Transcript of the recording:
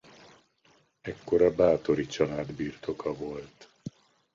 Ekkor a Báthori-család birtoka volt.